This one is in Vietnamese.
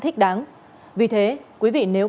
thích đáng vì thế quý vị nếu